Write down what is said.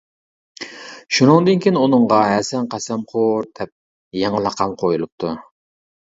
شۇنىڭدىن كېيىن ئۇنىڭغا «ھەسەن قەسەمخور» دەپ يېڭى لەقەم قويۇلۇپتۇ.